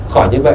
khỏi như vậy